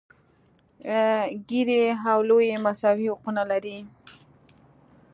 ګېري او لويي مساوي حقونه لري.